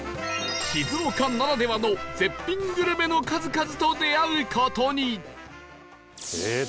静岡ならではの絶品グルメの数々と出会う事にええー